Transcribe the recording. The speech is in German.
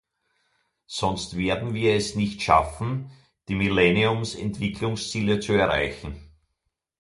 Sonst werden wir es nicht schaffen, die Millenniums-Entwicklungsziele zu erreichen.